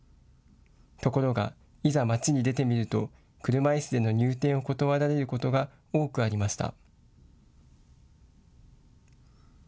ところが、いざ街に出てみると車いすでの入店を断られることが多くありました。